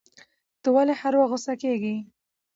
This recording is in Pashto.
ته ولي هر وخت غوسه کیږی